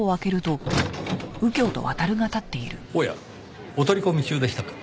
おやお取り込み中でしたか？